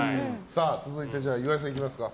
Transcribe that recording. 続いて、岩井さんいきましょう。